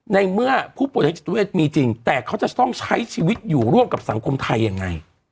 ในเมื่อผู้ป่วยทางจิตเวทมีจริงแต่เขาจะต้องใช้ชีวิตอยู่ร่วมกับสังคมไทยยังไง